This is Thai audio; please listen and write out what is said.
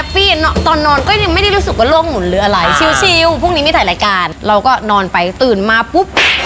พรุ่งนี้ไม่ถ่ายรายการเราก็นอนไปตื่นมาปุ๊บ